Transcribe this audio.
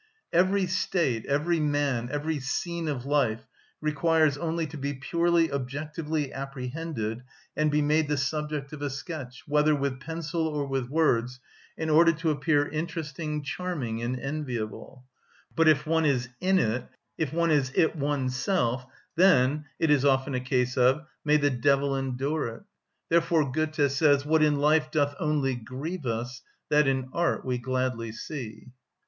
Every state, every man, every scene of life, requires only to be purely objectively apprehended and be made the subject of a sketch, whether with pencil or with words, in order to appear interesting, charming, and enviable; but if one is in it, if one is it oneself, then (it is often a case of) may the devil endure it. Therefore Goethe says— "What in life doth only grieve us, That in art we gladly see."